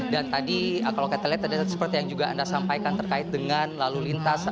dan tadi kalau kita lihat seperti yang anda sampaikan terkait dengan lalu lintas